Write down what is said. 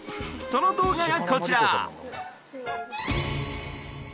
その動画がこちら！